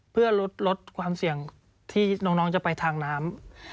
เพื่อลดความเสี่ยงที่น้องจะไปทางน้ำ